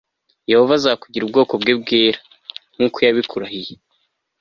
yehova azakugira ubwoko bwe bwera+ nk'uko yabikurahiye